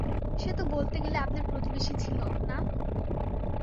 সে তো বলতে গেলে আপনার প্রতিবেশী ছিল, না?